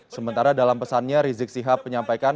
sementara dalam pesannya rizik sihab menyampaikan